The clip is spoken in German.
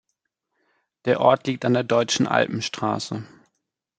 Der Ort liegt an der Deutschen Alpenstraße.